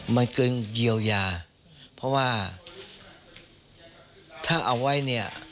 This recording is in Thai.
มันเกินเยียวยาเพราะว่าถ้าเอาไว้เนี่ย